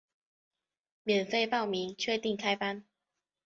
免费报名，确定开班